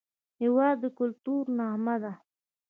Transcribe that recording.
هېواد د کلتور نغمه ده.